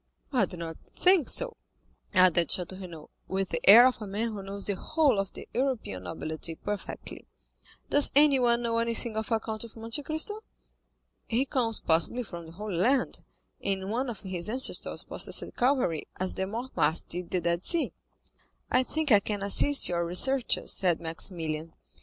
"I do not think so," added Château Renaud, with the air of a man who knows the whole of the European nobility perfectly. "Does anyone know anything of a Count of Monte Cristo?" "He comes possibly from the Holy Land, and one of his ancestors possessed Calvary, as the Mortemarts did the Dead Sea." "I think I can assist your researches," said Maximilian.